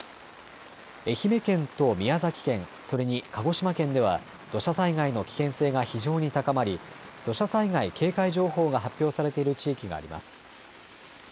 愛媛県と宮崎県、それに鹿児島県では土砂災害の危険性が非常に高まり土砂災害警戒情報が発表されている地域があります。